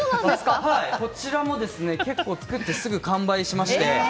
こちらも結構作ってすぐ完売しまして。